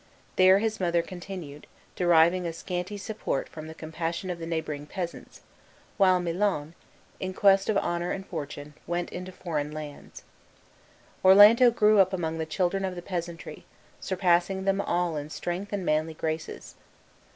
There his mother continued, deriving a scanty support from the compassion of the neighboring peasants; while Milon, in quest of honor and fortune, went into foreign lands. Orlando grew up among the children of the peasantry, surpassing them all in strength and manly graces.